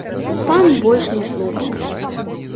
Пан больш не слухаў.